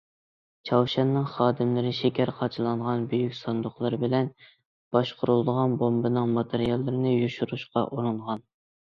چاۋشيەننىڭ خادىملىرى شېكەر قاچىلانغان يۈك ساندۇقلىرى بىلەن باشقۇرۇلىدىغان بومبىنىڭ ماتېرىياللىرىنى يوشۇرۇشقا ئۇرۇنغان.